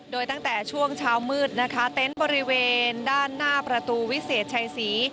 โดยตั้งแต่ช่วงเช้ามืดนะคะเต็นต์บริเวณด้านหน้าประตูวิเศษชัยศรี